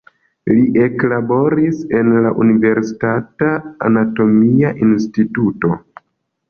Li eklaboris en la universitata anatomia instituto.